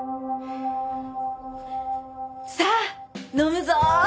さあ飲むぞ！